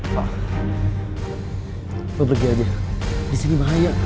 pak lu pergi aja disini bahaya